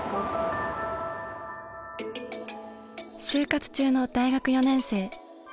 就活中の大学４年生。